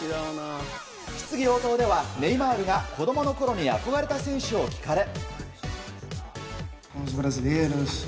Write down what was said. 質疑応答ではネイマールが子供のころに憧れた選手を聞かれ。